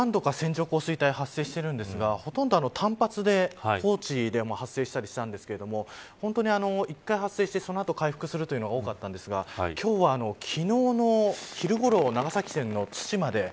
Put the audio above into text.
今年も何度か線状降水帯が発生しているんですがほとんど単発で高知でも発生したりしたんですが本当に１回発生してその後、回復するのが多かったんですが今日は、昨日の昼ごろ